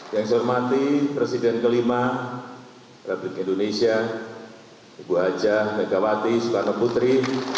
yang saya hormati presiden kelima republik indonesia ibu haja megawati soekarno putri